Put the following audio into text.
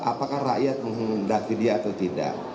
apakah rakyat menghendaki dia atau tidak